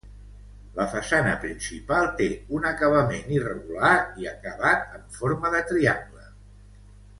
La façana principal té un acabament irregular i acabat amb forma de triangle.